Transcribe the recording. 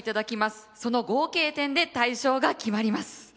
その合計点で大賞が決まります。